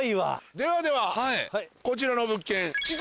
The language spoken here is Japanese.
ではではこちらの物件。